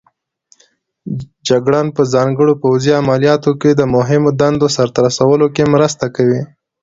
جګړن په ځانګړو پوځي عملیاتو کې د مهمو دندو سرته رسولو کې مرسته کوي.